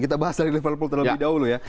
kita bahas dari level terlebih dahulu ya